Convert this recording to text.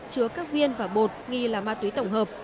chứa các viên và bột nghi là ma túy tổng hợp